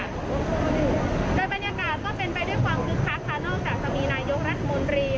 โดยบรรยากาศก็เป็นไปด้วยความคึกคักค่ะนอกจากจะมีนายกรัฐมนตรี